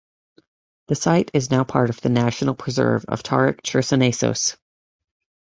The site is now part of the "National Preserve of Tauric Chersonesos".